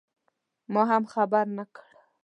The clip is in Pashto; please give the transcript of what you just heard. ما هم خبر نه کړ.